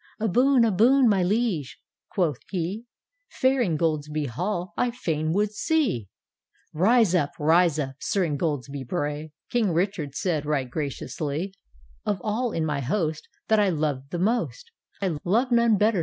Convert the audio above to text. ' A boon, a boon, my liege," quoth he, " Fair Ingoldsby Hall I fain would see! "" Rise up, rise up, Sir Ingoldsby Bray," King Richard said right graciously. D,gt,, erihyGOOgle The Ingoldsby Penance 9' " Of all in my host That I love the most, I love none better.